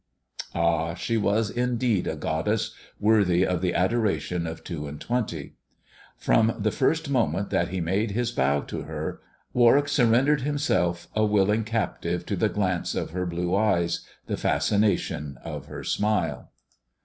Ah ! she was indeed a goddess, worthy of the adoration of two and twenty ; from the first moment that he made his bow to her, Warwick surrendered himself a willing captive to the glance of her blue eyes, to the fascination of her smile.